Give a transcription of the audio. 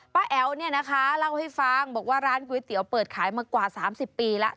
แอ๋วเนี่ยนะคะเล่าให้ฟังบอกว่าร้านก๋วยเตี๋ยวเปิดขายมากว่า๓๐ปีแล้ว